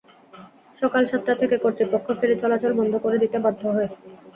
সকাল সাতটা থেকে কর্তৃপক্ষ ফেরি চলাচল বন্ধ করে দিতে বাধ্য হয়।